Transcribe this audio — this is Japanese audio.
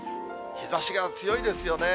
日ざしが強いですよね。